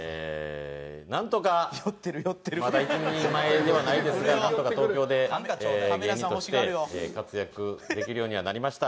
なんとかまだ一人前ではないですがなんとか東京で芸人として活躍できるようにはなりました。